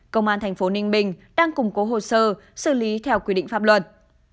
công an tp ninh bình đang củng cố hồ sơ xử lý theo quy định pháp luật